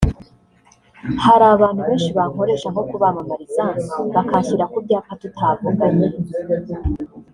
hari abantu benshi bankoresha nko kubamamariza bakanshyira ku byapa tutavuganye